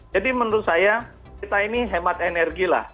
jadi menurut saya kita ini hemat energi lah